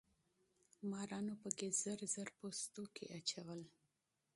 مارانو پکې ژر ژر پوستکي اچول.